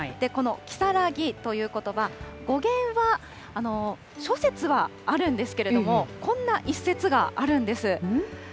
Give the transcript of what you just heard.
この如月ということば、語源は諸説はあるんですけれども、こんな一説があるんです。